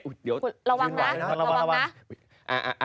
คุณระวังนะ